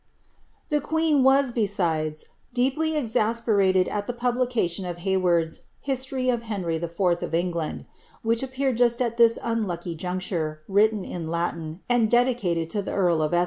The queen was, besides, deeply exasperated at the publication of II>t ward's " History of Henry IV. of England," which appeared jusi st ihij unlucky juncture, written in I^tin, and dedicated to the earl of E?